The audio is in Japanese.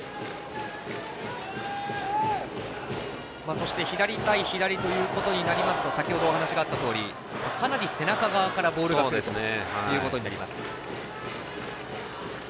そして左対左ということになりますと先ほどお話があったとおりかなり背中側からボールがくるということになります。